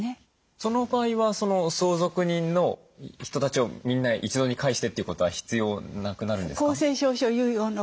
その場合は相続人の人たちをみんな一堂に会してっていうことは必要なくなるんですか？